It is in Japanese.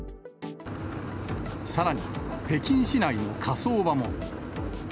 さらに、北京市内の火葬場も。